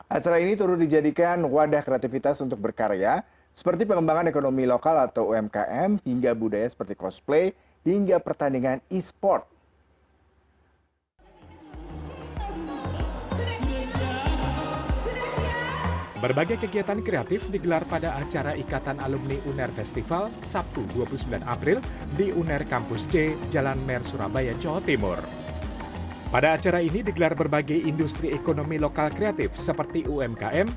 acara ini turut dijadikan wadah kreativitas untuk berkarya seperti pengembangan ekonomi lokal atau umkm